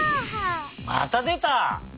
またでた！